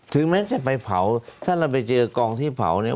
แม้จะไปเผาถ้าเราไปเจอกองที่เผาเนี่ย